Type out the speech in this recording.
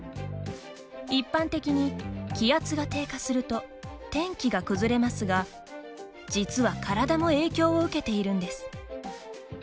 一般的に気圧が低下すると天気が崩れますが実は体も影響を受けているんです。